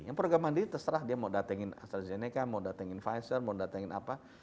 yang program mandiri terserah dia mau datengin astrazeneca mau datengin pfizer mau datengin apa